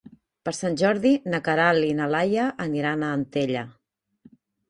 Per Sant Jordi na Queralt i na Laia aniran a Antella.